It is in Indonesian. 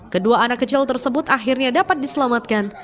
kedua anak kecil tersebut akhirnya dapat diselamatkan